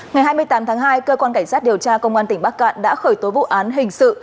ngày hai mươi tám tháng hai cơ quan cảnh sát điều tra công an tỉnh bắc cạn đã khởi tố vụ án hình sự